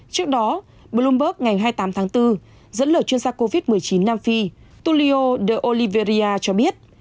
trước đó bloomberg ngày hai mươi tám tháng bốn dẫn lời chuyên gia covid một mươi chín nam phi tulio de oliveria cho biết